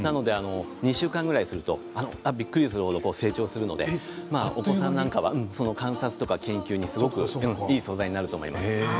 １週間ぐらいするとびっくりするほど成長するのでお子さんなんかは観察とか研究にいい素材だと思います。